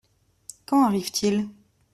Quand arrive-t-il ?